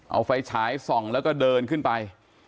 เอาไฟฉายส่องแล้วก็เดินขึ้นไป